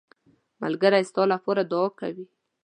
ملګری ستا لپاره دعا کوي